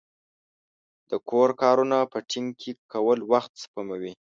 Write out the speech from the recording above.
د کور کارونه په ټیم کې کول وخت سپموي.